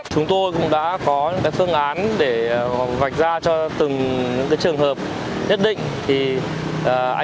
chúng tôi cũng đã có phương án để vạch ra cho từng trường hợp nhất định anh em cũng tuyên truyền nhắc nhở cũng như là xử lý một cách khéo léo để người ta nhận thức được cái việc là